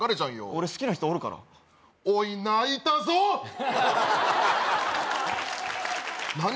俺好きな人おるからおい泣いたぞ何？